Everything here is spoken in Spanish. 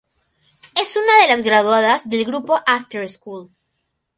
Es una de las graduadas del grupo After School.